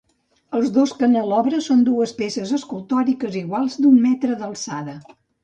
Els dos canelobres són dues peces escultòriques iguals d'un metre d'alçada.